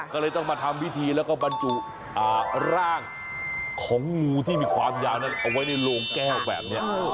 ก็เลยต้องมาทำพิธีแล้วก็บรรจุร่างของงูที่มีความยาวเอาไว้ในโลงแก้วแบบนี้